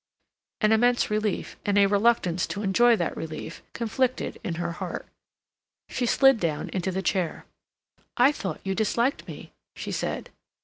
An immense relief, and a reluctance to enjoy that relief, conflicted in her heart. She slid down into the chair. "I thought you disliked me," she said.